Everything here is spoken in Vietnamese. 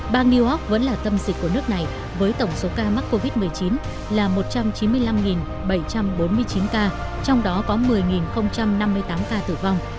bang new york vẫn là tâm dịch của nước này với tổng số ca mắc covid một mươi chín là một trăm chín mươi năm bảy trăm bốn mươi chín ca trong đó có một mươi năm mươi tám ca tử vong